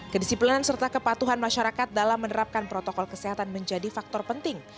kedisiplinan serta kepatuhan masyarakat dalam menerapkan protokol kesehatan menjadi faktor penting